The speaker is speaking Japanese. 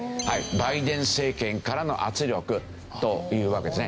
バイデン政権からの圧力というわけですね。